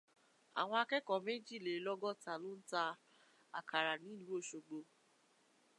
Àwọn akẹ́kọ̀ọ́gboyè méjìlélọ́gọ́ta ló ń ta àkàrà nílùú Òṣogbo